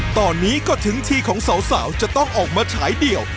ตอนนี้ก็ถึงทีของสาวจะต้องออกมาฉายเดี่ยว